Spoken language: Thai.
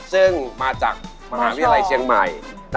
ซึ่งมาจากมหาวิทยาลัยเชียงใหม่